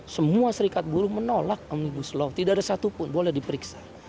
semua serikat buruh menolak omnibus law tidak ada satupun boleh diperiksa